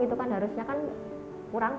itu kan harusnya kan kurang